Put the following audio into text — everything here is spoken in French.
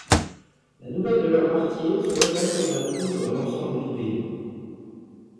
La nouvelle de leur martyre se répand comme la poudre dans l'ensemble du pays.